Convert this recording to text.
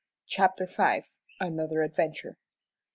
CHAPTER V. ANOTHER ADVENTURE.